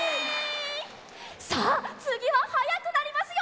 さあつぎははやくなりますよ！